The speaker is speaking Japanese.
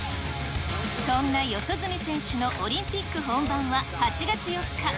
そんな四十住選手のオリンピック本番は８月４日。